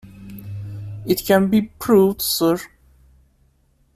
It can be proved, sir.